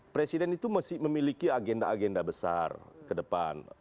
presiden itu masih memiliki agenda agenda besar ke depan